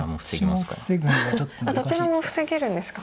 どちらも防げるんですか。